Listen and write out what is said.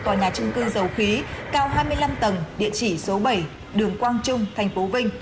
tòa nhà trung cư dầu khí cao hai mươi năm tầng địa chỉ số bảy đường quang trung thành phố vinh